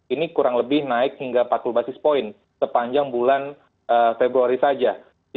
ini kurang lebih naik hingga empat puluh basis point sepanjang bulan februari saja